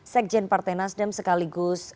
sekjen partai nasdem sekaligus